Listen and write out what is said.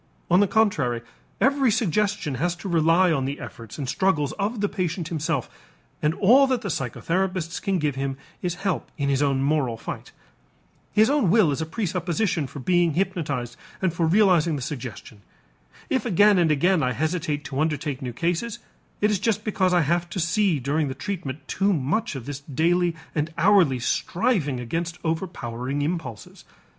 On the contrary, every suggestion has to rely on the efforts and struggles of the patient himself and all that the psychotherapists can give him is help in his own moral fight. His own will is presupposition for being hypnotized and for realizing the suggestion. If again and again I hesitate to undertake new cases, it is just because I have to see during the treatment too much of this daily and hourly striving against overpowering impulses.